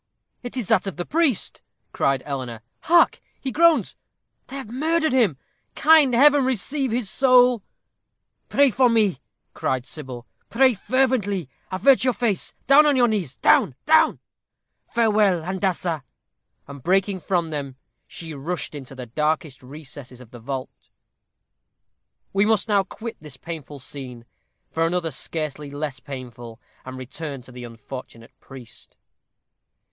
"It is that of the priest," cried Eleanor. "Hark! he groans. They have murdered him! Kind Heaven, receive his soul!" "Pray for me," cried Sybil: "pray fervently; avert your face; down on your knees down down! Farewell, Handassah!" And breaking from them, she rushed into the darkest recesses of the vault. We must now quit this painful scene for another scarcely less painful, and return to the unfortunate priest.